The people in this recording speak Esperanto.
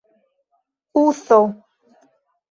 uzo